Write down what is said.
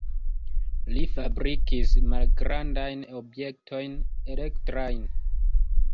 Li fabrikis malgrandajn objektojn elektrajn.